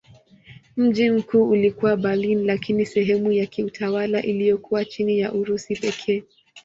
Mji mkuu ulikuwa Berlin lakini sehemu ya kiutawala iliyokuwa chini ya Urusi pekee.